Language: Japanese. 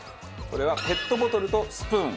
それはペットボトルとスプーン。